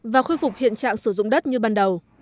và khôi phục hiện trạng sử dụng đất như ban đầu